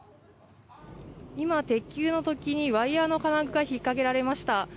今、鉄球の取っ手にワイヤの金具が引っかけられました。